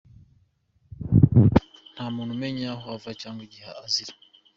Nta muntu umenya aho ava cyangwa igihe azira.